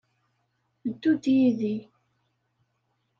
Ddu-d yid-i.